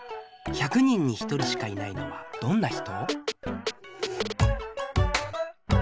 １００人に１人しかいないのはどんな人？